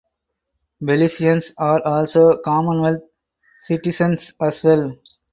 Belizeans are also Commonwealth citizens as well.